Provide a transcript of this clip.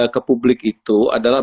ke publik itu adalah